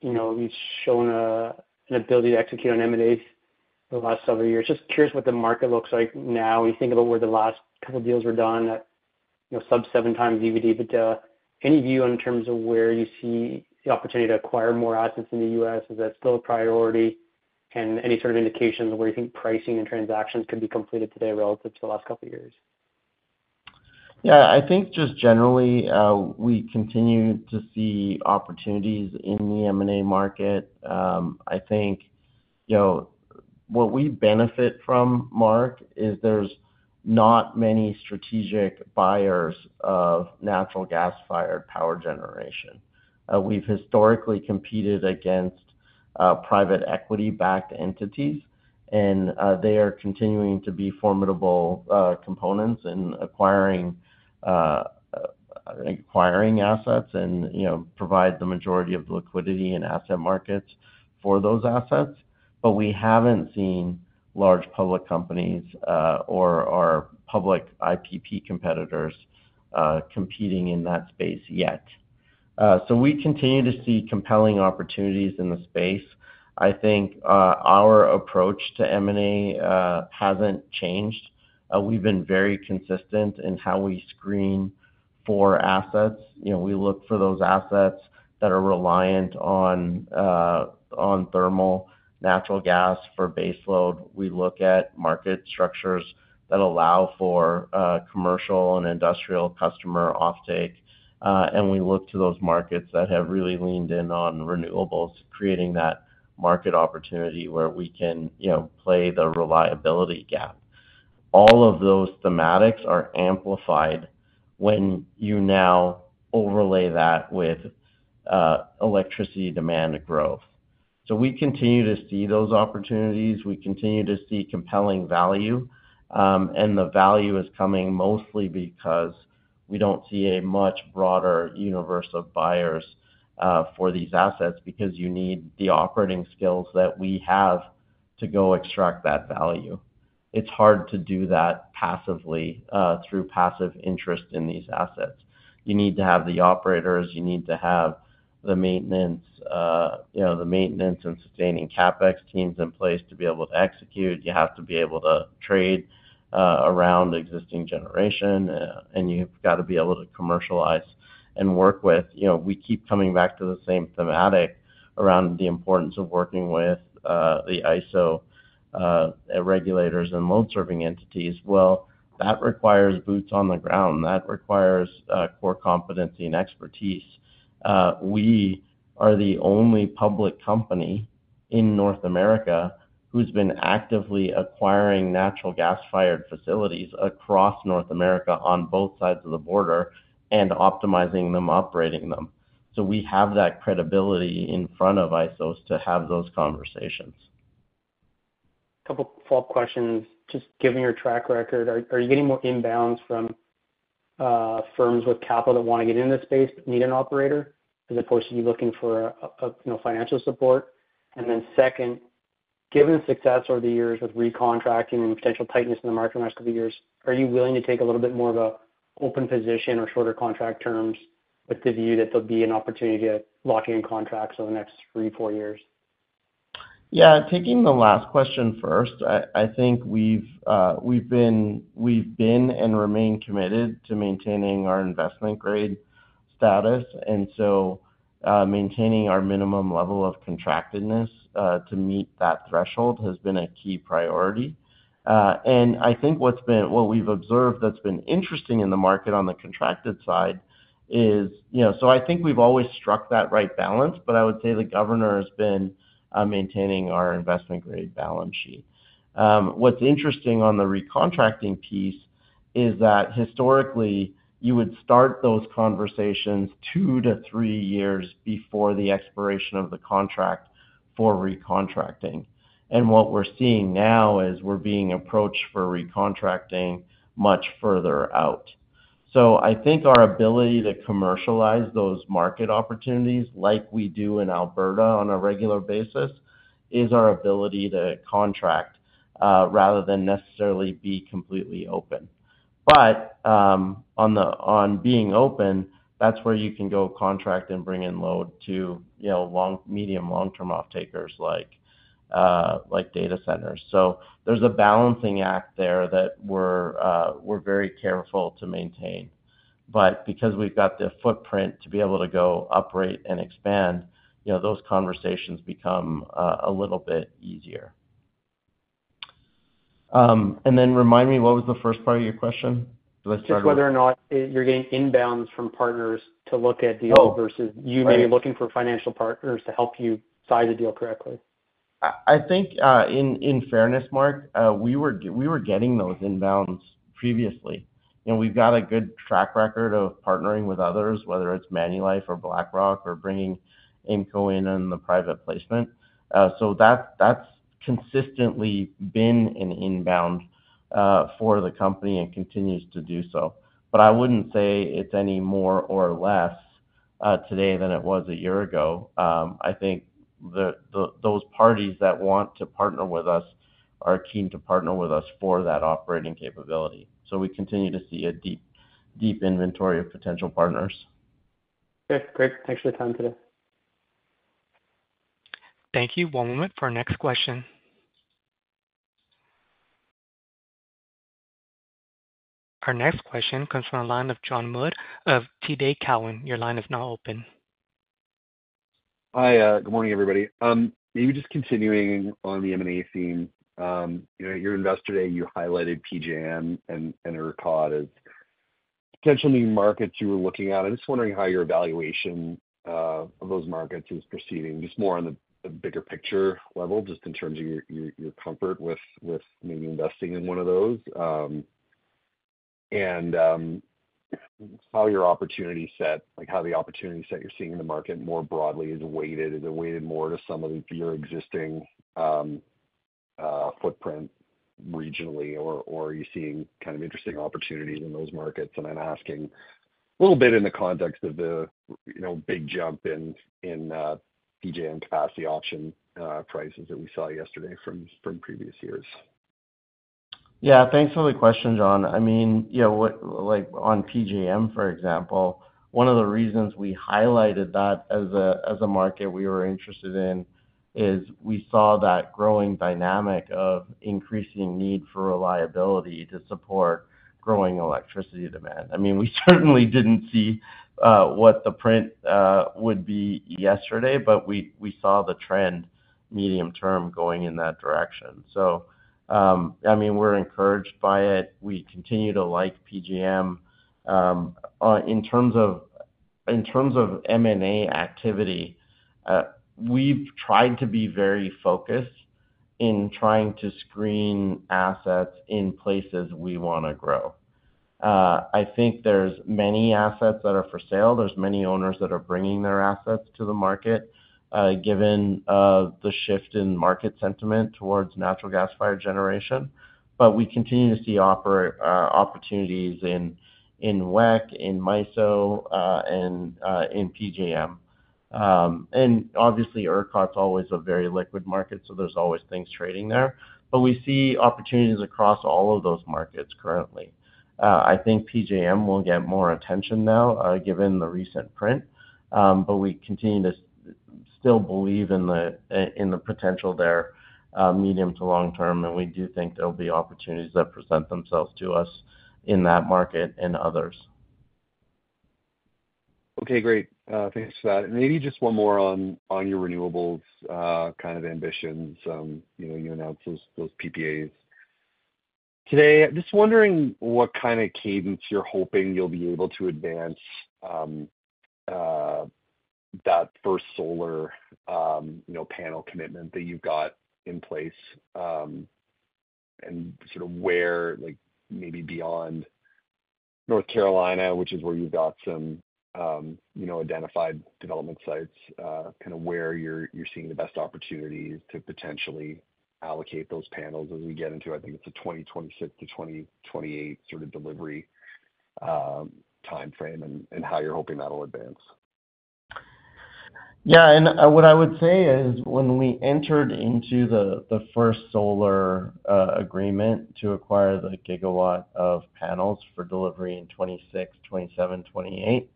you know, you've shown an ability to execute on M&As for the last several years. Just curious what the market looks like now, when you think about where the last couple of deals were done at, you know, sub-7x EBITDA. Any view in terms of where you see the opportunity to acquire more assets in the U.S., is that still a priority? And any sort of indications of where you think pricing and transactions could be completed today relative to the last couple of years? Yeah. I think just generally, we continue to see opportunities in the M&A market. I think, you know, what we benefit from, Mark, is there's not many strategic buyers of natural gas-fired power generation. We've historically competed against, private equity-backed entities, and, they are continuing to be formidable, components in acquiring, acquiring assets and, you know, provide the majority of the liquidity in asset markets for those assets. But we haven't seen large public companies, or our public IPP competitors, competing in that space yet. So we continue to see compelling opportunities in the space. I think, our approach to M&A, hasn't changed. We've been very consistent in how we screen for assets. You know, we look for those assets that are reliant on, on thermal natural gas for baseload. We look at market structures that allow for commercial and industrial customer offtake, and we look to those markets that have really leaned in on renewables, creating that market opportunity where we can, you know, play the reliability gap. All of those thematics are amplified when you now overlay that with electricity demand growth. So we continue to see those opportunities. We continue to see compelling value, and the value is coming mostly because we don't see a much broader universe of buyers for these assets, because you need the operating skills that we have to go extract that value. It's hard to do that passively through passive interest in these assets. You need to have the operators, you need to have the maintenance, you know, the maintenance and sustaining CapEx teams in place to be able to execute. You have to be able to trade around existing generation and you've got to be able to commercialize and work with... You know, we keep coming back to the same theme around the importance of working with the ISO, regulators and load-serving entities. Well, that requires boots on the ground. That requires core competency and expertise. We are the only public company in North America who's been actively acquiring natural gas-fired facilities across North America on both sides of the border and optimizing them, operating them. So we have that credibility in front of ISOs to have those conversations. A couple of follow-up questions. Just given your track record, are you getting more inbounds from firms with capital that want to get into this space, but need an operator, and of course, you're looking for a you know financial support? And then, second, given the success over the years of recontracting and potential tightness in the market in the next couple of years, are you willing to take a little bit more of a open position or shorter contract terms with the view that there'll be an opportunity to lock in contracts over the next three, four years? Yeah, taking the last question first, I think we've been and remain committed to maintaining our investment grade status, and so, maintaining our minimum level of contractedness to meet that threshold has been a key priority. And I think what we've observed that's been interesting in the market on the contracted side is, you know, so I think we've always struck that right balance, but I would say the governor has been maintaining our investment grade balance sheet. What's interesting on the recontracting piece is that historically, you would start those conversations two to three years before the expiration of the contract for recontracting. And what we're seeing now is we're being approached for recontracting much further out. So I think our ability to commercialize those market opportunities, like we do in Alberta on a regular basis, is our ability to contract rather than necessarily be completely open. But on being open, that's where you can go contract and bring in load to, you know, medium, long-term offtakers, like like data centers. So there's a balancing act there that we're very careful to maintain. But because we've got the footprint to be able to go operate and expand, you know, those conversations become a little bit easier. And then remind me, what was the first part of your question? Do I start over? Just whether or not you're getting inbounds from partners to look at deals- Oh. versus you may be looking for financial partners to help you size a deal correctly. I think, in fairness, Mark, we were getting those inbounds previously, and we've got a good track record of partnering with others, whether it's Manulife or BlackRock, or bringing AIMCo in on the private placement. So that's consistently been an inbound for the company and continues to do so. But I wouldn't say it's any more or less today than it was a year ago. I think those parties that want to partner with us are keen to partner with us for that operating capability. So we continue to see a deep, deep inventory of potential partners. Okay, great. Thanks for your time today. Thank you. One moment for our next question. Our next question comes from the line of John Mould of TD Cowen. Your line is now open. Hi, good morning, everybody. Maybe just continuing on the M&A theme. You know, your Investor Day, you highlighted PJM and ERCOT as potential new markets you were looking at. I'm just wondering how your evaluation of those markets is proceeding, just more on the bigger picture level, just in terms of your comfort with maybe investing in one of those. And how your opportunity set... Like, how the opportunity set you're seeing in the market more broadly is weighted. Is it weighted more to some of your existing footprint regionally, or are you seeing kind of interesting opportunities in those markets? And I'm asking a little bit in the context of the, you know, big jump in PJM capacity auction prices that we saw yesterday from previous years. Yeah, thanks for the question, John. I mean, you know, what, like, on PJM, for example, one of the reasons we highlighted that as a market we were interested in is we saw that growing dynamic of increasing need for reliability to support growing electricity demand. I mean, we certainly didn't see what the print would be yesterday, but we saw the trend medium term going in that direction. So, I mean, we're encouraged by it. We continue to like PJM. In terms of M&A activity, we've tried to be very focused in trying to screen assets in places we want to grow. I think there's many assets that are for sale. There's many owners that are bringing their assets to the market, given the shift in market sentiment towards natural gas-fired generation. But we continue to see opportunities in, in WECC, in MISO, and in PJM. And obviously, ERCOT's always a very liquid market, so there's always things trading there. But we see opportunities across all of those markets currently. I think PJM will get more attention now, given the recent print, but we continue to still believe in the, in the potential there, medium to long term, and we do think there'll be opportunities that present themselves to us in that market and others. Okay, great. Thanks for that. Maybe just one more on your renewables, kind of ambitions. You know, you announced those PPAs today. Just wondering what kind of cadence you're hoping you'll be able to advance, that First Solar, you know, panel commitment that you've got in place. And sort of where, like, maybe beyond North Carolina, which is where you've got some, you know, identified development sites, kind of where you're seeing the best opportunities to potentially allocate those panels as we get into, I think it's a 2026-2028 sort of delivery, timeframe, and how you're hoping that'll advance? ... Yeah, and what I would say is, when we entered into the First Solar agreement to acquire the gigawatt of panels for delivery in 2026, 2027, 2028,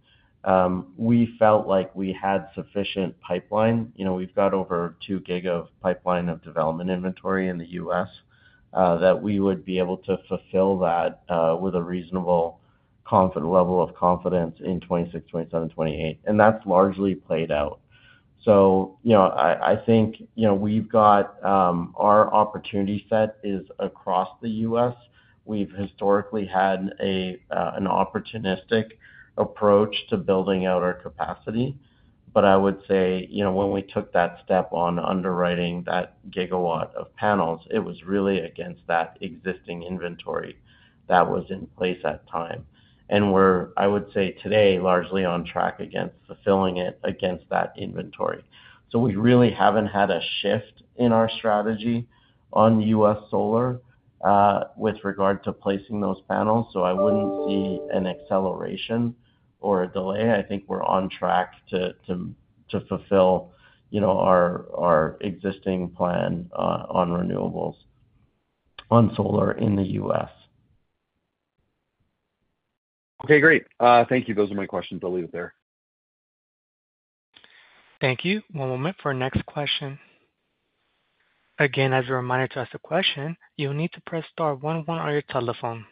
we felt like we had sufficient pipeline. You know, we've got over two giga of pipeline of development inventory in the U.S. that we would be able to fulfill that with a reasonable confidence level in 2026, 2027, 2028, and that's largely played out. So, you know, I think, you know, we've got our opportunity set is across the U.S. We've historically had an opportunistic approach to building out our capacity. But I would say, you know, when we took that step on underwriting that gigawatt of panels, it was really against that existing inventory that was in place at the time. We're, I would say, today, largely on track against fulfilling it against that inventory. So we really haven't had a shift in our strategy on U.S. solar, with regard to placing those panels, so I wouldn't see an acceleration or a delay. I think we're on track to fulfill, you know, our existing plan, on renewables, on solar in the U.S. Okay, great. Thank you. Those are my questions. I'll leave it there. Thank you. One moment for our next question. Again, as a reminder, to ask a question, you'll need to press star one one on your telephone.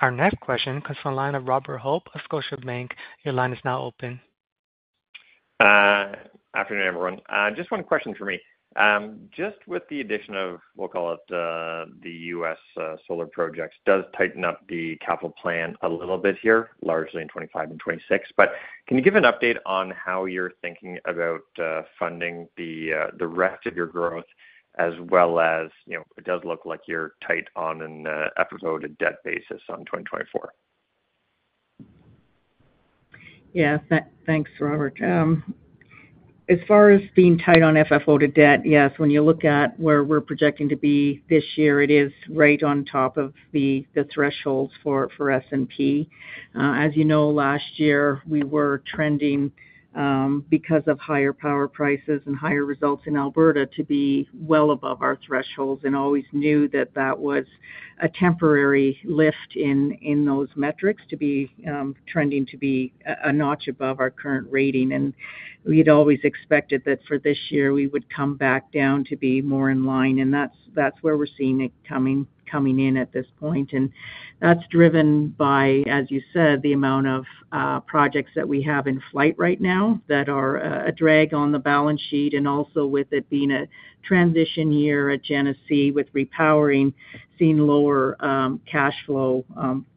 Our next question comes from the line of Robert Hope of Scotiabank. Your line is now open. Afternoon, everyone. Just one question for me. Just with the addition of, we'll call it, the U.S. solar projects, does tighten up the capital plan a little bit here, largely in 2025 and 2026. But can you give an update on how you're thinking about funding the rest of your growth as well as, you know, it does look like you're tight on an FFO to debt basis on 2024? Yeah. Thanks, Robert. As far as being tight on FFO to debt, yes, when you look at where we're projecting to be this year, it is right on top of the thresholds for S&P. As you know, last year, we were trending because of higher power prices and higher results in Alberta to be well above our thresholds, and always knew that that was a temporary lift in those metrics to be trending to be a notch above our current rating. We'd always expected that for this year, we would come back down to be more in line, and that's where we're seeing it coming in at this point. That's driven by, as you said, the amount of projects that we have in flight right now that are a drag on the balance sheet, and also with it being a transition year at Genesee, with repowering, seeing lower cash flow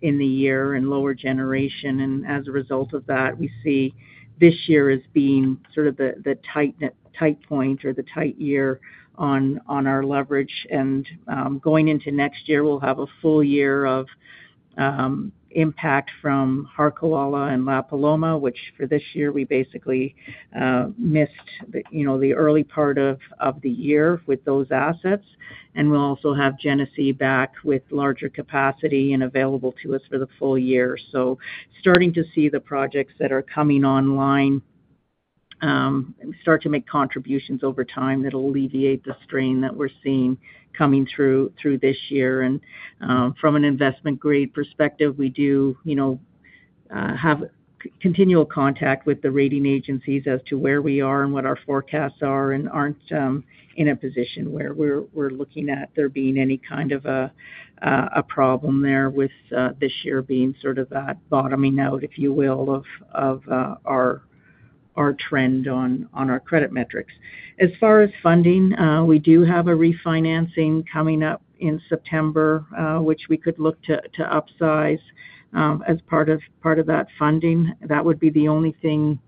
in the year and lower generation. As a result of that, we see this year as being sort of the tight point or the tight year on our leverage. Going into next year, we'll have a full year of impact from Harquahala and La Paloma, which for this year, we basically missed the, you know, the early part of the year with those assets. We'll also have Genesee back with larger capacity and available to us for the full year. Starting to see the projects that are coming online start to make contributions over time, that'll alleviate the strain that we're seeing coming through this year. From an investment grade perspective, we do, you know, have continual contact with the rating agencies as to where we are and what our forecasts are, and aren't in a position where we're looking at there being any kind of a problem there with this year being sort of that bottoming out, if you will, of our trend on our credit metrics. As far as funding, we do have a refinancing coming up in September, which we could look to upsize as part of that funding. That would be the only thing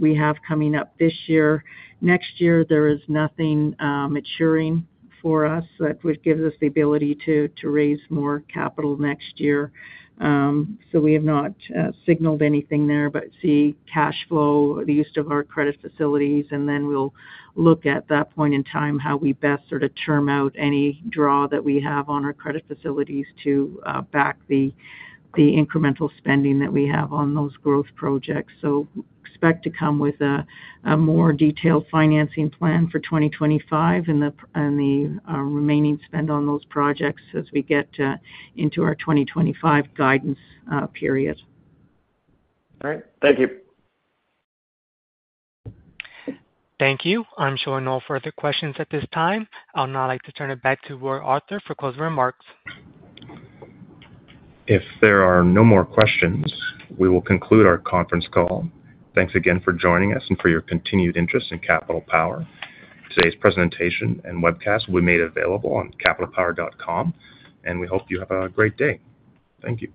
we have coming up this year. Next year, there is nothing maturing for us, that which gives us the ability to raise more capital next year. So we have not signaled anything there, but cash flow, the use of our credit facilities, and then we'll look at that point in time, how we best sort of term out any draw that we have on our credit facilities to back the incremental spending that we have on those growth projects. So expect to come with a more detailed financing plan for 2025 and the remaining spend on those projects as we get into our 2025 guidance period. All right. Thank you. Thank you. I'm showing no further questions at this time. I'll now like to turn it back to Roy Arthur for closing remarks. If there are no more questions, we will conclude our conference call. Thanks again for joining us and for your continued interest in Capital Power. Today's presentation and webcast we made available on capitalpower.com, and we hope you have a great day. Thank you.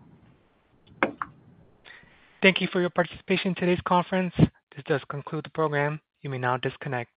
Thank you for your participation in today's conference. This does conclude the program. You may now disconnect.